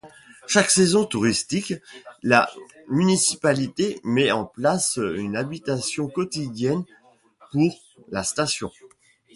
Chaque saison touristique, la municipalité met en place une animation quotidienne pour la station.